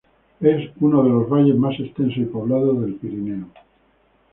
Es uno de los valles más extensos y poblados del Pirineo.